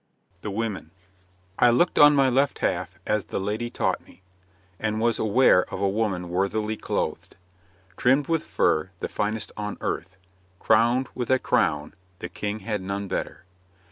THE WOMEN 'I looked on my left half as the lady taught me, And was aware of a woman worthily clothed, Trimmed with fur, the finest on earth, Crowned with a crown, the King had none better.